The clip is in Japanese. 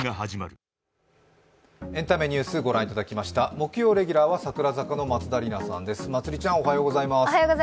木曜レギュラーは櫻坂の松田里奈さんです。